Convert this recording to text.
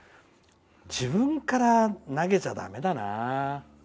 自分から投げちゃだめだな。